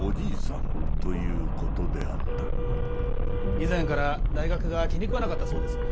以前から大学が気に食わなかったそうです。